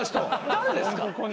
誰ですか？